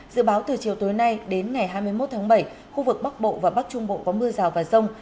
dự báo từ chiều tối nay đến ngày hai mươi một tháng bảy khu vực bắc bộ và bắc trung bộ có mưa rào và rông